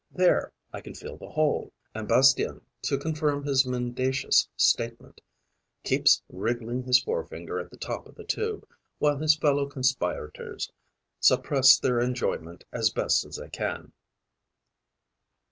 There, I can feel the hole.' And Bastien, to confirm his mendacious statement, keeps wriggling his forefinger at the top of the tube, while his fellow conspirators suppress their enjoyment as best they can.